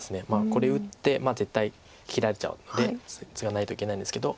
これ打って絶対切られちゃうのでツガないといけないんですけど。